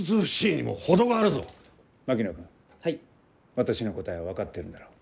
私の答えは分かってるんだろう？